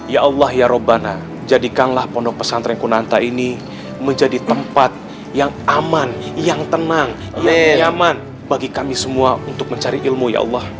ya allah ya rabbana jadikanlah pondok pesantren kunanta ini menjadi tempat yang aman yang tenang yang nyaman bagi kami semua untuk mencari ilmu ya allah